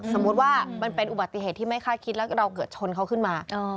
สมมุติว่ามันเป็นอุบัติเหตุที่ไม่คาดคิดแล้วเราเกิดชนเขาขึ้นมา